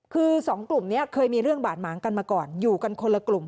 คือสองกลุ่มนี้เคยมีเรื่องบาดหมางกันมาก่อนอยู่กันคนละกลุ่ม